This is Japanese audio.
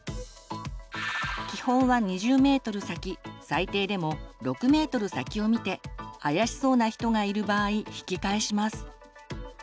基本は２０ｍ先最低でも６ｍ先を見て怪しそうな人がいる場合引き返します。